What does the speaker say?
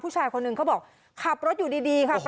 ผู้ชายคนหนึ่งเขาบอกขับรถอยู่ดีค่ะ